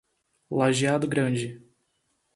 Lajeado Grande